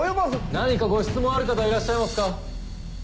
何かご質問ある方いらっしゃいますか？